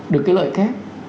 được cái lợi khác